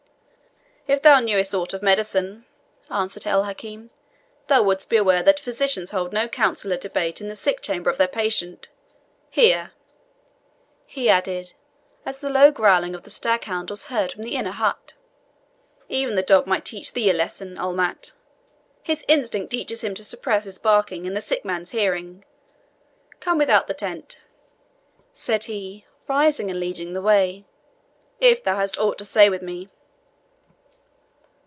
"If thou knewest aught of medicine," answered El Hakim, "thou wouldst be aware that physicians hold no counsel or debate in the sick chamber of their patient. Hear," he added, as the low growling of the staghound was heard from the inner hut, "even the dog might teach thee reason, Ulemat. His instinct teaches him to suppress his barking in the sick man's hearing. Come without the tent," said he, rising and leading the way, "if thou hast ought to say with me."